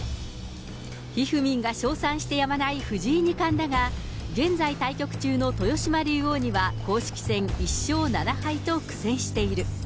ひふみんが称賛してやまない藤井二冠だが、現在、対局中の豊島竜王には、公式戦１勝７敗と苦戦している。